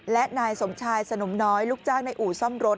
และนายสมชายสนมน้อยลูกจ้างในอู่ซ่อมรถ